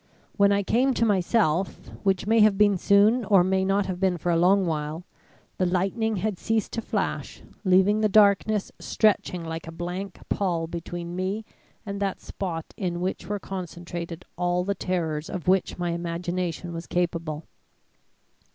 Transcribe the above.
When I came to myself which may have been soon, and may not have been for a long while the lightning had ceased to flash, leaving the darkness stretching like a blank pall between me and that spot in which were concentrated all the terrors of which my imagination was capable.